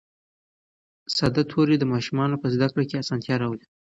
ساده توري د ماشومانو په زده کړه کې اسانتیا راولي